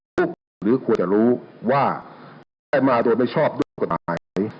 ทุกคนหรือควรจะรู้ว่าไอ้มาโดยไม่ชอบด้วยกฎหมาย